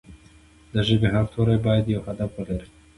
د ژبې هر توری باید یو هدف ولري.